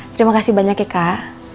terima kasih banyak ya kak